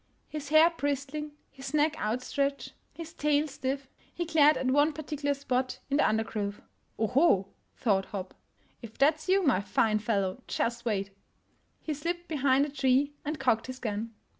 His hair bristling, his neck out stretched, his tail stiff, he glared at one particular spot in the undergrowth. " Oho! " thought Hopp, " if that's you, my fine fellow — just wait!" He slipped behind a tree and cocked his gun.